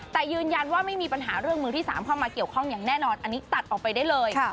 แต่ยืนยันว่าไม่มีปัญหาเรื่องมือที่๓เข้ามาเกี่ยวข้องอย่างแน่นอนอันนี้ตัดออกไปได้เลย